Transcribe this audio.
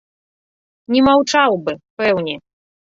Не маўчаў бы, пэўне!